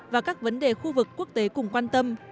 và các vấn đề khu vực quốc tế cùng quan tâm